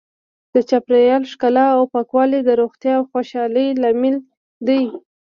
د چاپیریال ښکلا او پاکوالی د روغتیا او خوشحالۍ لامل دی.